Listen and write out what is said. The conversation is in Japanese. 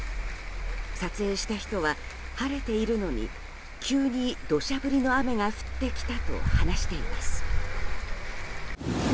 撮影した人は晴れているのに急に土砂降りの雨が降ってきたと話しています。